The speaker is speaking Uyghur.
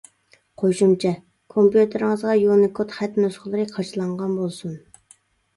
قوشۇمچە: كومپيۇتېرىڭىزغا يۇنىكود خەت نۇسخىلىرى قاچىلانغان بولسۇن.